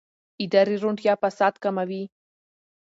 اداري روڼتیا فساد کموي